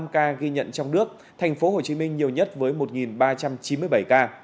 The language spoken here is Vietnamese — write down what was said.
một chín trăm bốn mươi năm ca ghi nhận trong nước thành phố hồ chí minh nhiều nhất với một ba trăm chín mươi bảy ca